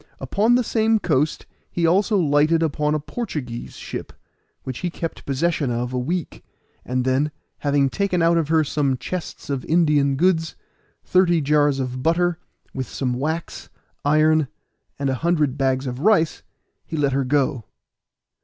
Upon the same coast he also lighted upon a Portuguese ship, which he kept possession of a week, and then, having taken out of her some chests of Indian goods, thirty jars of butter, with some wax, iron, and a hundred bags of rice, he let her go.